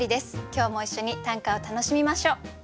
今日も一緒に短歌を楽しみましょう。